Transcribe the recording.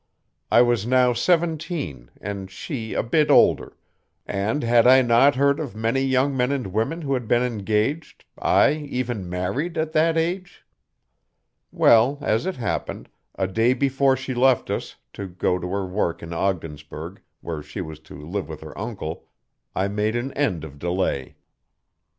I was now seventeen and she a bit older, and had I not heard of many young men and women who had been engaged aye, even married at that age? Well, as it happened, a day before she left us, to go to her work in Ogdensburg, where she was to live with her uncle, I made an end of delay.